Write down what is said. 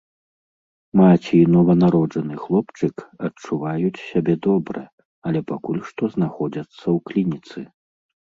Маці і нованароджаны хлопчык адчуваюць сябе добра, але пакуль што знаходзяцца ў клініцы.